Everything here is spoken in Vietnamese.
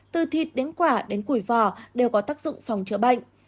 từ thịt đến quả đến củi vỏ đều có tác dụng phòng chữa bệnh